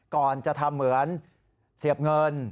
ก่อนจะทำเหมือนเสียบเงิน